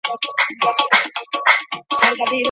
ایا بهرني سوداګر چارمغز صادروي؟